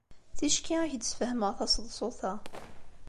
Ticki ad ak-d-sfehmeɣ taseḍsut-a.